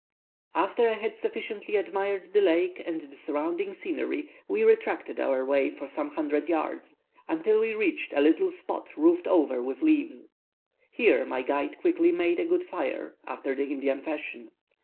After I had sufficiently admired the lake and the surrounding scenery, we retraced our way for some hundred yards, until we reached a little spot roofed over with leaves. Here my guide quickly made a good fire, after the Indian fashion.